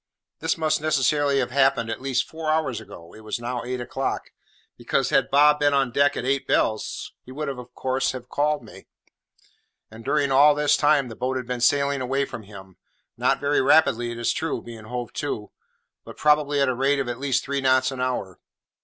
This must necessarily have happened at least four hours ago (it was now eight o'clock), because, had Bob been on deck at eight bells, he would, of course, have called me. And during all this time the boat had been sailing away from him, not very rapidly it is true, being hove to, but probably at a rate of at least three knots an hour.